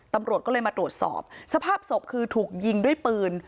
ตำรวจก็เลยมาตรวจสอบสภาพศพคือถูกยิงด้วยปืน